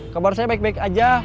kabar saya baik baik aja